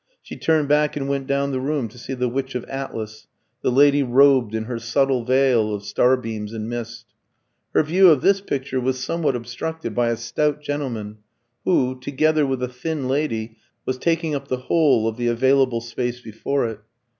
She turned back and went down the room to see "The Witch of Atlas," the lady robed in her "subtle veil" of starbeams and mist. Her view of this picture was somewhat obstructed by a stout gentleman who, together with a thin lady, was taking up the whole of the available space before it.